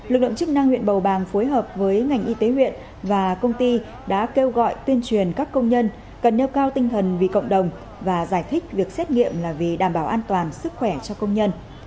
lực lượng chức năng huyện bầu bàng phối hợp với ngành y tế huyện và công ty đã kêu gọi tuyên truyền các công nhân cần nêu cao tinh thần vì cộng đồng và giải thích việc xét nghiệm là vì đảm bảo an toàn sức khỏe cho công nhân